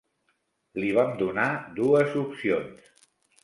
Li vam donar dues opcions.